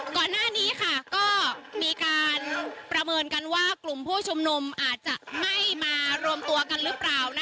ก่อนหน้านี้ก็มีการประเมินกันว่ากลุ่มผู้ชุมนุมอาจจะไม่มารวมตัวกันหรือเปล่า